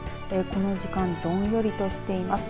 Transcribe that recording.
この時間どんよりとしています。